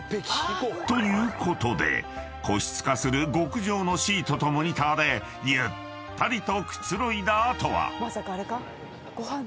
［ということで個室化する極上のシートとモニターでゆったりと］